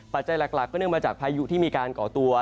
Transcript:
จัยหลักก็เนื่องมาจากพายุที่มีการก่อตัว